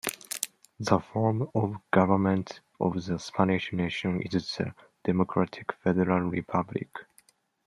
The form of government of the Spanish Nation is the Democratic Federal Republic.